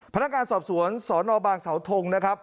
พนักงานสอบสวนสนบางสาวทงนะครับ